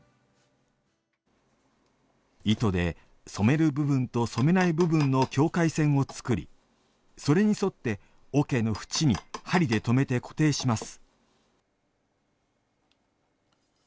糸で染める部分と染めない部分の境界線を作りそれに沿って桶の縁に針で留めて固定します。